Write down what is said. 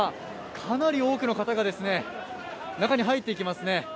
かなり多くの方が中に入っていきますね。